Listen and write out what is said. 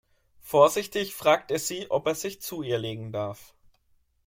Vorsichtig fragt er sie, ob er sich zu ihr legen darf.